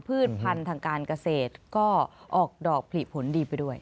พันธุ์ทางการเกษตรก็ออกดอกผลิผลดีไปด้วย